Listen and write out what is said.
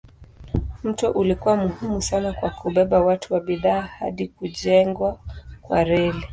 Mto ulikuwa muhimu sana kwa kubeba watu na bidhaa hadi kujengwa kwa reli.